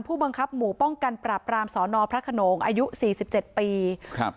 ผู้บังคับหมู่ป้องกันปราบรามสอนอพระขนงอายุสี่สิบเจ็ดปีครับ